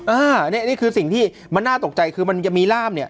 อ่าเนี้ยเนี้ยคือสิ่งที่มันน่าตกใจคือมันยังมีล่ามเนี้ย